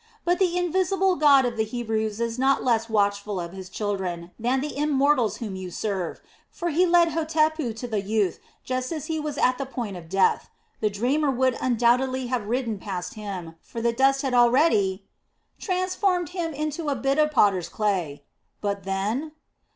"But the invisible God of the Hebrews is not less watchful of his children than the Immortals whom you serve; for he led Hotepu to the youth just as he was at the point of death. The dreamer would undoubtedly have ridden past him; for the dust had already...." "Transformed him into a bit of potter's clay. But then?"